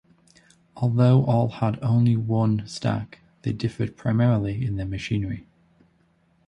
Although all had only one stack, they differed primarily in their machinery.